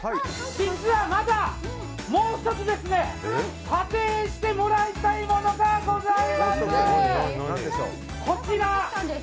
実は、まだもう１つ査定してもらいたいものがございます！